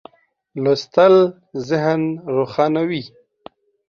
لوستل ذهن روښانوي.